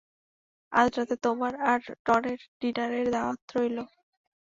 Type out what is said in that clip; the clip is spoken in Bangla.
আজ রাতে তোমার আর ডনের ডিনারের দাওয়াত রইল।